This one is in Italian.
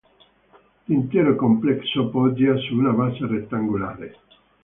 L'intero complesso poggia su una base rettangolare.